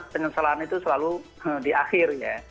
penyesalan itu selalu di akhir ya